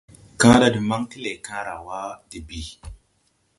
Kããɗa de maŋ ti Lɛʼkããwa de bìi.